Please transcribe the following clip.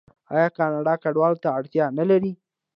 آیا کاناډا کډوالو ته اړتیا نلري؟